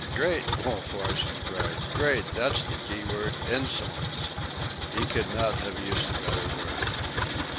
"Great!" Wolf Larsen cried. "Great! That's the keynote. Insolence! He could not have used a better word."